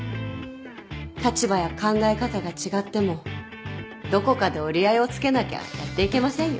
立場や考え方が違ってもどこかで折り合いをつけなきゃやっていけませんよ。